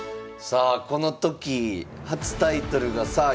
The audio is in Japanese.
さあこの時初タイトルがさあ